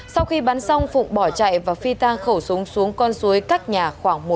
sau khi bắn xong phụng bỏ chạy và phi tan khẩu súng xuống con suối cắt nhà khoảng một km